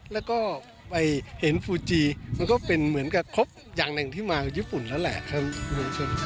แล้วก็ไปเห็นฟูจีมันก็เป็นเหมือนกับครบอย่างหนึ่งที่มาญี่ปุ่นแล้วแหละครับ